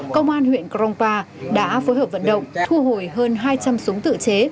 công an huyện krongpa đã phối hợp vận động thu hồi hơn hai trăm linh súng tự chế